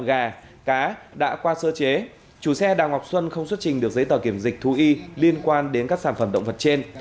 gà cá đã qua sơ chế chủ xe đào ngọc xuân không xuất trình được giấy tờ kiểm dịch thú y liên quan đến các sản phẩm động vật trên